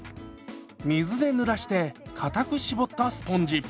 水でぬらしてかたく絞ったスポンジ。